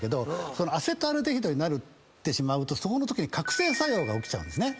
そのアセトアルデヒドになってしまうとそこのときに覚醒作用が起きちゃうんですね。